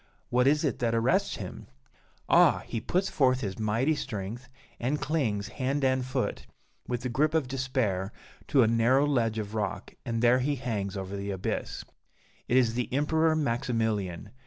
What is it that arrests him? Ah! he puts forth his mighty strength, and clings, hand and foot, with the grip of despair, to a narrow ledge of rock, and there he hangs over the abyss! It is the Emperor Maximilian!